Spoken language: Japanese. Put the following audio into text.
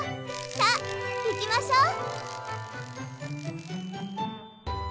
さあいきましょう！